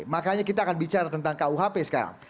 makanya kita akan bicara tentang kuhp sekarang